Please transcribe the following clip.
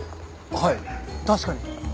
はい確かに。